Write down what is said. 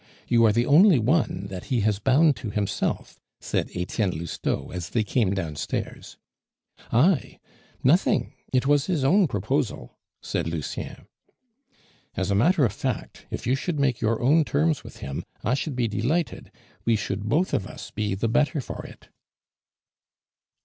You are the only one that he has bound to himself," said Etienne Lousteau, as they came downstairs. "I? Nothing. It was his own proposal," said Lucien. "As a matter of fact, if you should make your own terms with him, I should be delighted; we should, both of us, be the better for it."